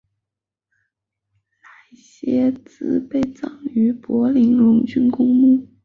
赖歇瑙被葬于柏林荣军公墓。